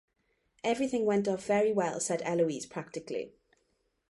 “Everything went off very well,” said Eloise practically.